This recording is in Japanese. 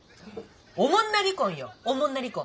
おもんな離婚よおもんな離婚。